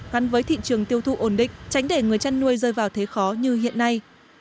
gắn với thị trường tiêu thụ ổn định tránh để người chăn nuôi rơi vào thế khó như hiện nay